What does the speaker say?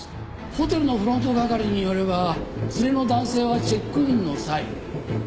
ホテルのフロント係によれば連れの男性はチェックインの際野川と名乗ったそうです。